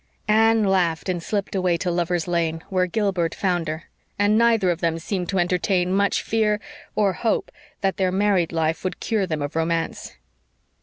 Anne laughed and slipped away to Lover's Lane, where Gilbert found her; and neither of them seemed to entertain much fear, or hope, that their married life would cure them of romance.